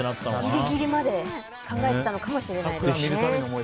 ギリギリまで考えてたのかもしれませんね。